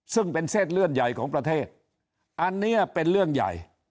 ซึ่งเป็นเส้นเลื่อนใหญ่ของประเทศอันนี้เป็นเรื่องใหญ่